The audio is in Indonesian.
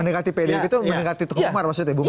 mendekati pdip itu mendekati tukang umar maksudnya